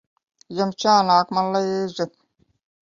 Jums jānāk man līdzi.